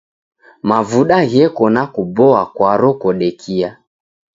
Mavuda gheko nakuboa kwaro kodekia.